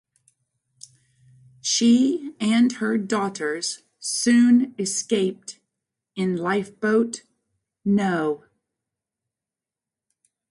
She and her daughters soon escaped in lifeboat no.